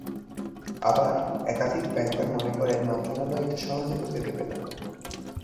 আবার একাধিক ব্যাংকার মনে করেন, মন্ত্রণালয় এটা সহজে হতে দেবে না।